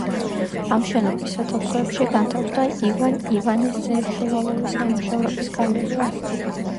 ამ შენობის სათავსოებში განთავსდა ივან ივანეს ძე შუვალოვის ნამუშევრების გალერეა.